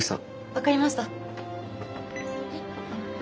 分かりました。